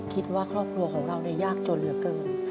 คิดว่าครอบครัวของเรายากจนเหลือเกิน